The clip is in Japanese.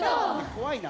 怖いな。